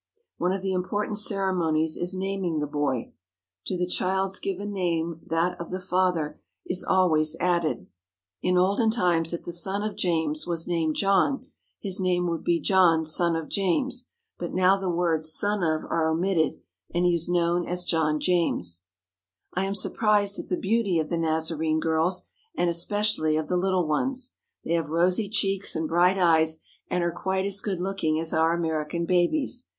One of the important ceremonies is naming the boy. To the child's given name that of the father is always 183 THE HOLY LAND AND SYRIA added. In olden times if the son of James was named John, his name would be John, son of James, but now the words "son of" are omitted and he is known as John James. I am surprised at the beauty of the Nazarene girls, and especially of the little ones. They have rosy cheeks and bright eyes and are quite as good looking as our American babies.